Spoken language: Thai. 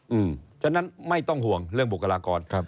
อืมฉะนั้นไม่ต้องห่วงเรื่องบุคลากร